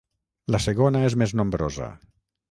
La segona és més nombrosa.